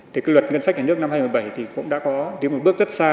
thì cái luật ngân sách nhà nước năm hai nghìn một mươi bảy thì cũng đã có đi một bước rất xa